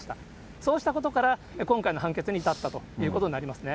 そうしたことから、今回の判決に至ったということになりますね。